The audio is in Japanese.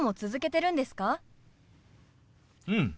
うん。